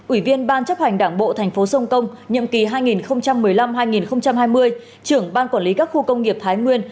ủy viên ban chấp hành đảng bộ thành phố sông công nhiệm kỳ hai nghìn một mươi năm hai nghìn hai mươi trưởng ban quản lý các khu công nghiệp thái nguyên